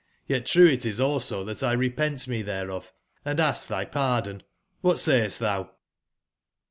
Yet true itis also tbatlrepentmetbercof, and ask tby pardon, ^bat say est tbou